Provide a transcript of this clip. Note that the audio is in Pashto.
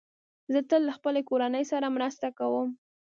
زه تل له خپلې کورنۍ سره مرسته کوم.